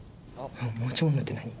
持ち物って何？